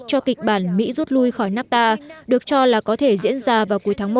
cho kịch bản mỹ rút lui khỏi nafta được cho là có thể diễn ra vào cuối tháng một